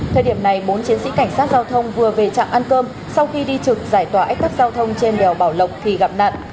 thời điểm này bốn chiến sĩ cảnh sát giao thông vừa về trạm ăn cơm sau khi đi trực giải tỏa ách tắc giao thông trên đèo bảo lộc thì gặp nạn